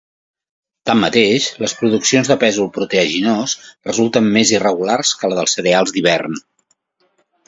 Tanmateix les produccions de pèsol proteaginós resulten més irregulars que la dels cereals d'hivern.